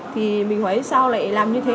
thì mình hỏi sao lại làm như thế